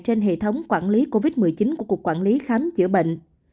trên hệ thống quản lý covid một mươi chín của cục quản lý khám chữa bệnh